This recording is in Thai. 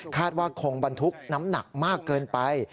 ว่าคงบรรทุกน้ำหนักมากเกินไป